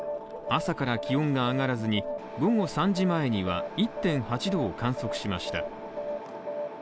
朝から気温が上がらずに午後３時前には１．８度を観測しました。